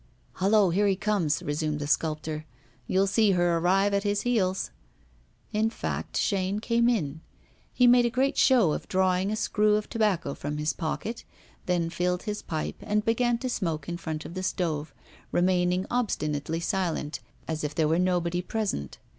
'Hallo, here he comes!' resumed the sculptor. 'You'll see her arrive at his heels.' In fact, Chaîne came in. He made a great show of drawing a screw of tobacco from his pocket, then filled his pipe, and began to smoke in front of the stove, remaining obstinately silent, as if there were nobody present.